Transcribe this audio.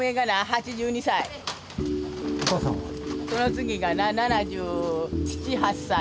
その次が７７７８歳。